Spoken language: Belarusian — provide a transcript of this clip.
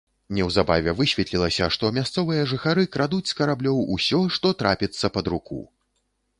Неўзабаве высветлілася, што мясцовыя жыхары крадуць з караблёў усё, што трапіцца пад руку.